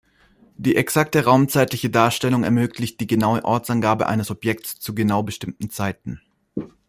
Die exakte raumzeitliche Darstellung ermöglicht die genaue Ortsangabe eines Objekts zu genau bestimmten Zeiten.